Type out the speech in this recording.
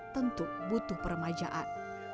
tentu butuh peremajaan